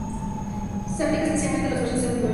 Se aplica especialmente a los versos de un poema.